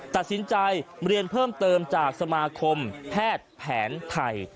ตัดสินใจเรียนเพิ่มเติมจากสมาคมแพทย์แผนไทย